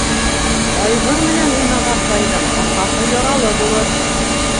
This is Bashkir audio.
Айғыр менән уйнаған тайҙың арҡаһы яралы булыр.